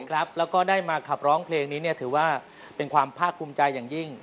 แล้วก็ได้มาขับร้องเพลงนี้ถือว่าเป็นความภาคภูมิใจอย่างยิ่ง